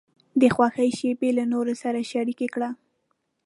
د خوښۍ شیبې له نورو سره شریکې کړه.